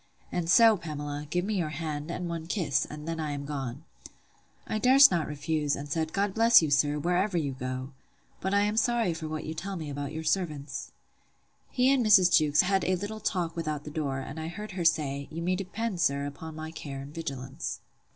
And so, Pamela, give me your hand, and one kiss; and then I am gone. I durst not refuse, and said, God bless you, sir, wherever you go!—But I am sorry for what you tell me about your servants! He and Mrs. Jewkes had a little talk without the door; and I heard her say, You may depend, sir, upon my care and vigilance.